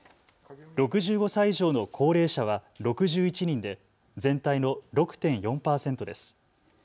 ６５歳以上の高齢者は６１人で全体の６．４％です。